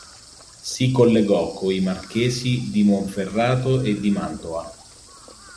Si collegò coi marchesi di Monferrato e di Mantova.